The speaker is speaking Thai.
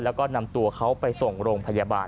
แล้วก็นำตัวเขาไปส่งโรงพยาบาล